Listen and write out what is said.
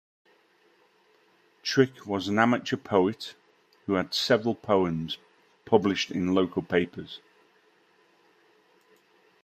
Trick was an amateur poet who had several poems published in local papers.